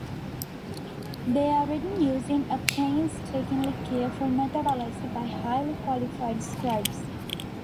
They are written using a painstakingly careful methodology by highly qualified scribes.